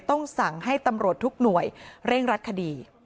ต้องสั่งให้ตำรวจทุกหน่วยเร่งรัดคดี